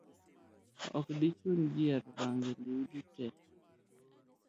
Ok dichun ji hero rangi liudute.